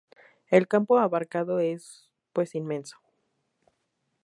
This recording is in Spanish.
El campo abarcado es pues inmenso.